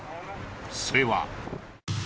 それは。